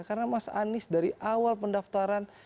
karena mas anies dari awal pendaftaran